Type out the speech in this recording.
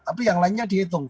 tapi yang lainnya dihitung